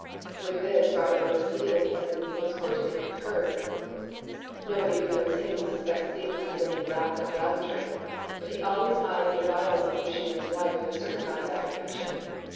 With this, Robert Louis Stevenson most cordially concurred. Nobody who knows him will suspect Stevenson of any lack of gallantry, but he always eyed the arrival of the missionary's wife with a certain amount of apprehension.